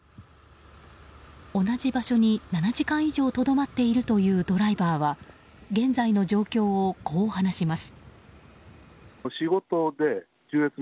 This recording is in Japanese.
同じ場所に７時間以上とどまっているというドライバーは現在の状況をこう話します。